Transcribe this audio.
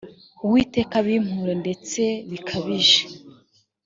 uwiteka abimpore ndetse bikabije